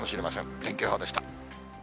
天気予報でした。